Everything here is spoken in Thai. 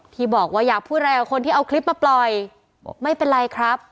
ที่บอกว่าอยากพูดอะไรกับคนที่เอาคลิปมาปล่อยไม่เป็นไรครับ